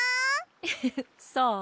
フフフそう？